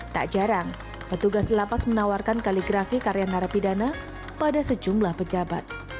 tak jarang petugas lapas menawarkan kaligrafi karya narapidana pada sejumlah pejabat